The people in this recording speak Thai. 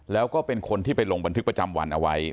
แล้วก็เป็นคนที่ไปลงบันทึกประจำวันเอาไว้